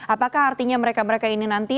apakah artinya mereka mereka ini nanti